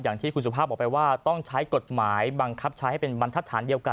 อย่างที่คุณสุภาพบอกไปว่าต้องใช้กฎหมายบังคับใช้ให้เป็นบรรทัศนเดียวกัน